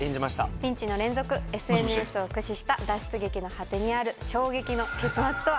ピンチの連続ＳＮＳを駆使した脱出劇の果てにある衝撃の結末とは？